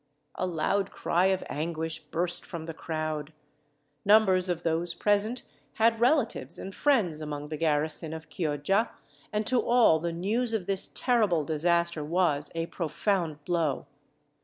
A loud cry of anguish burst from the crowd. Numbers of those present had relatives and friends among the garrison of Chioggia; and to all, the news of this terrible disaster was a profound blow.